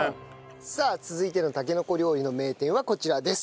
さあ続いてのたけのこ料理の名店はこちらです。